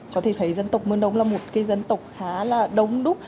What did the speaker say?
chó thầy thấy dân tộc mương đông là một cái dân tộc khá là đông đúc